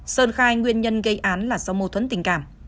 sơn khai nguyên nhân gây án là do mâu thuẫn tình cảm